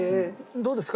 どうですか？